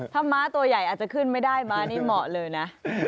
ถ้าม้าตัวใหญ่อาจจะขึ้นไม่ได้ม้านี่เหมาะเลยนะ